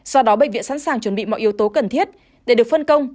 do đó bệnh viện sẵn sàng chuẩn bị mọi yếu tố cần thiết để được phân công